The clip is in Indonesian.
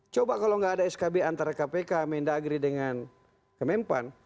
coba kalau tidak ada skb antara kpk menda agri dengan kemenpan